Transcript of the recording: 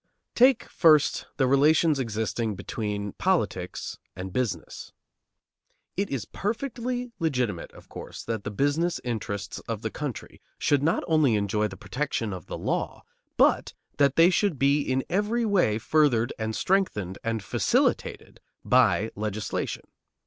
Take, first, the relations existing between politics and business. It is perfectly legitimate, of course, that the business interests of the country should not only enjoy the protection of the law, but that they should be in every way furthered and strengthened and facilitated by legislation.